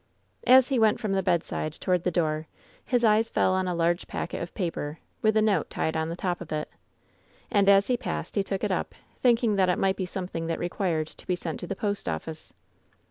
As he went from the bedside toward the door his eyes fell on a large packet of paper, with a note tied on the top of it. And as he passed he took it up, thinking that it might be something that required to be sent to the post ofiice.